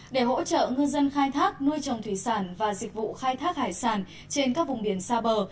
để hỗ trợ ngư dân khai thác nuôi trồng thủy sản và dịch vụ khai thác hải sản trên các vùng biển xa bờ